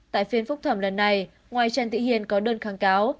tại phiên phúc thẩm lần này ngoài trần thị hiền có đơn kháng cáo